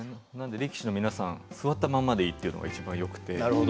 力士の皆さん座ったままでいいというのがよくて。